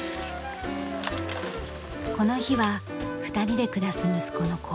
この日は２人で暮らす息子の高校入学祝い。